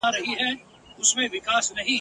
چي دي کله نغری سوړ سي درک نه وي د خپلوانو !.